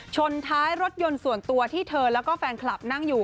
ชนท้ายรถยนต์ส่วนตัวที่เธอแล้วก็แฟนคลับนั่งอยู่